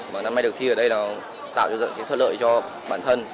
mà năm nay được thi ở đây tạo ra thuận lợi cho bản thân